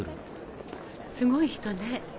すごい人ね。